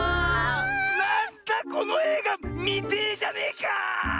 なんだこのえいがみてえじゃねえか！